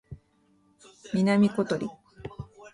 南ことり